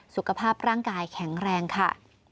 สุขภาพร่างกายแข็งแรงค่ะ